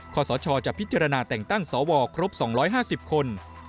ขอสชจะพิจารณาแต่งตั้งสวครบ๒๕๐คน